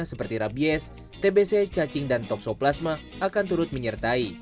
seperti rabies tbc cacing dan toksoplasma akan turut menyertai